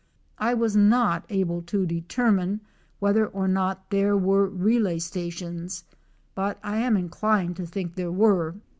I was not able to determine whether or not there were relay stations, but I am inclined to think there were.